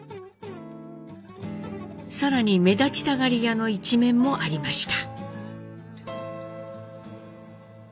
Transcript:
更に目立ちたがり屋の一面もありました。